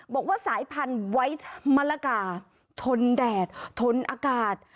บอกว่าสายพันธุ์ไว้มะละกาทนแดดทนอากาศ